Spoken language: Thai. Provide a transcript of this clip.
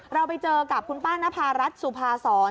เราไปเจอกับคุณป้านภารัฐสุภาษร